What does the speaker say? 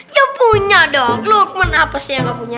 ya punya dong lukman apa sih yang gak punya